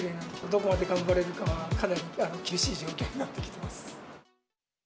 どこまで頑張れるかは、かなり厳しい状況になってきています。